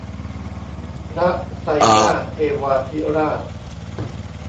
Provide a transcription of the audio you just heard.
พระไซย่าเทวาธิราช